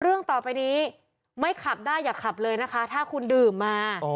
เรื่องต่อไปนี้ไม่ขับได้อย่าขับเลยนะคะถ้าคุณดื่มมา